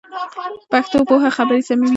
پښتو پوهه خبري سموي.